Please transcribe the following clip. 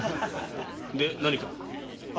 で何か？